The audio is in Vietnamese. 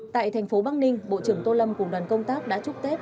tại tp bắc ninh bộ trưởng tô lâm cùng đoàn công tác đã chúc tết